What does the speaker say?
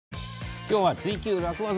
今日は「ツイＱ楽ワザ」。